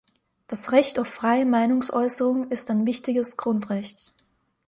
Das Recht auf freie Meinungsäußerung ist ein wichtiges Grundrecht.